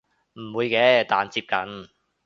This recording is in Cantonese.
唔會嘅但接近